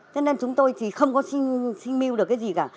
thế nên chúng tôi chỉ không có sinh mưu được cái gì cả